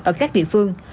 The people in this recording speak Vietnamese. ở các địa phương